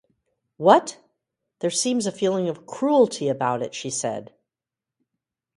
“What?” “There seems a feeling of cruelty about it,” she said.